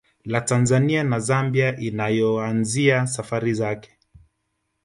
La Tanzania na Zambia inayoanzia safari zake